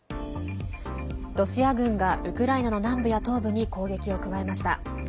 ロシア軍がウクライナの南部や東部に攻撃を加えました。